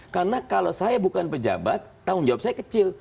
karena kalau saya bukan pejabat tanggung jawab saya kecil